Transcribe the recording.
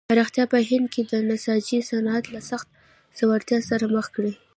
پراختیا په هند کې د نساجۍ صنعت له سخت ځوړتیا سره مخ کړ.